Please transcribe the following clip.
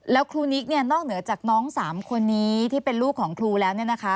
แล้วครูนิกเนี่ยนอกเหนือจากน้อง๓คนนี้ที่เป็นลูกของครูแล้ว